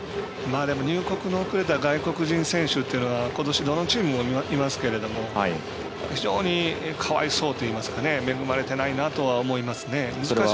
入国の遅れた外国人選手というのはことしどのチームもいますけれども非常にかわいそうといいますか恵まれてないなとは思います。